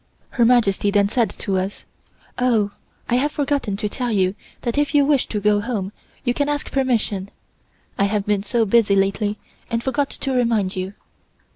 Her Majesty then said to us: "Oh, I have forgotten to tell you that if you wish to go home, you can ask permission. I have been so busy lately, and forgot to remind you."